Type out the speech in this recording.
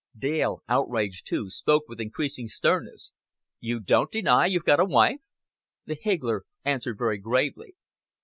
Dale, outraged too, spoke with increasing sternness. "You don't deny you've got a wife?" The higgler answered very gravely.